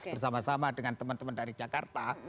bersama sama dengan teman teman dari jakarta